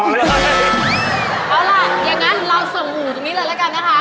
เอาล่ะอย่างนั้นเราส่งหมูตรงนี้เลยแล้วกันนะคะ